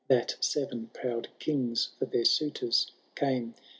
That seven proud kings for their suiton came.